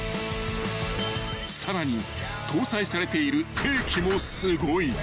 ［さらに搭載されている兵器もすごい］